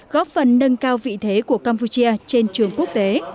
góp phần nâng cao vị thế của campuchia trên trường quốc tế